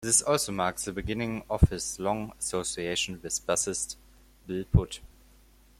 This also marked the beginning of his long association with bassist Bill Putt.